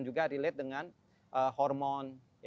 juga relate dengan hormon